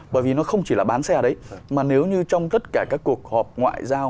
bởi vì nó không chỉ là bán xe đấy mà nếu như trong tất cả các cuộc họp ngoại giao